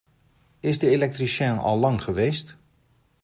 Is de elektricien al lang geweest?